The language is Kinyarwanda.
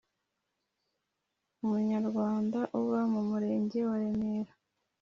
Umunyarwanda uba mu Murenge wa Remera